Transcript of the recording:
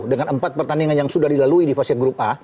dengan empat pertandingan yang sudah dilalui di fase grup a